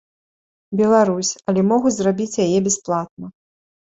Беларусь, але могуць зрабіць яе бясплатна.